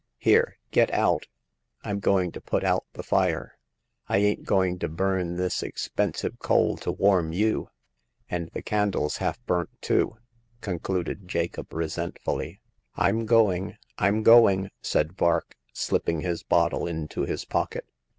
Here, get out ! Tm going to put out the fire. I ain't going to burn this expensive coal to warm you. And the candle's half burnt too !" con cluded Jacob, resentfully. Fm going— Fm going," said Vark, slipping his bottle into his pocket.